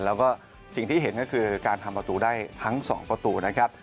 แล้วก็สิ่งที่เห็นก็คือการทำประตูได้ทั้ง๒ประตูนะครับ